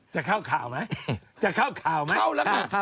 จะเข้าข่าวไหมจะเข้าข่าวไหมเข้าแล้วค่ะ